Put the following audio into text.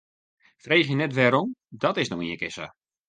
Freegje net wêrom, dat is no ienkear sa.